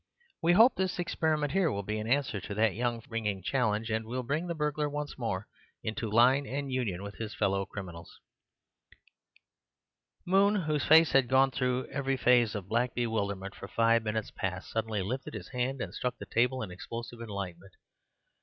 We hope this experiment here will be an answer to that young ringing challenge, and will bring the burglar once more into line and union with his fellow criminals." Moon, whose face had gone through every phase of black bewilderment for five minutes past, suddenly lifted his hand and struck the table in explosive enlightenment.